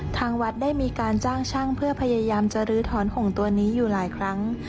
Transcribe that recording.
ทางวัดได้มีการจ้างช่างเพื่อพยายามจะลื้อถอนหงตัวนี้อยู่หลายครั้ง